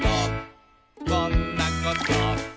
「こんなこと」